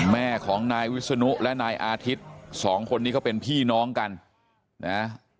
แม่ของนายวิศนุและนายอาทิตย์สองคนนี้เขาเป็นพี่น้องกันนะ